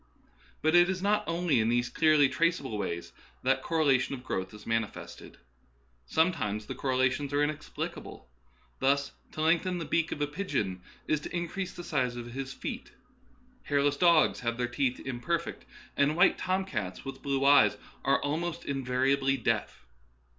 But it is not only in these clearly traceable ways that correlation of growth is manifested. Sometimes the correla tions are inexplicable. Thus, to lengthen the beak of a pigeon is to increase the size of his feet, hairless dogs have their teeth imperfect, and white tomcats with blue eyes are almost invari ably deaf.